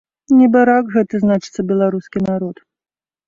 Небарак гэты, значыцца, беларускі народ.